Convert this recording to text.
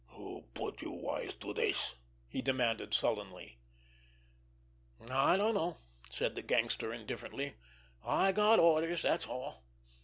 "Who put you wise to this?" he demanded sullenly. "I dunno!" said the gangster indifferently. "I got orders, that's all.